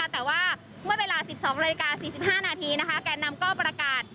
แต่ว่าเมื่อเวลา๑๒นาฬิกา๔๕นาทีแก่นำก็ประกาศ